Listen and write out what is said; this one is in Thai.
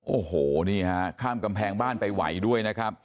โอ้โหนี่ฮะข้ามกำแพงบ้านไปไหวด้วยนะครับ